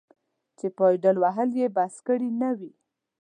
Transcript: چې پایدل وهل یې بس کړي نه وي.